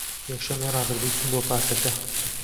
یەکشەممەی ڕابردوو چووم بۆ پارکەکە.